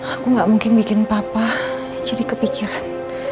aku gak mungkin bikin papa jadi kepikiran